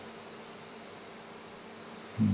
うん。